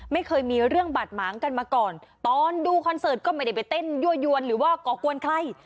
ไม่เคยมีเรื่องบาดหมางกันมาก่อนตอนดูคอนเสิร์ตก็ไม่ได้ไปเต้นยั่วยวนหรือว่าก่อกวนใคร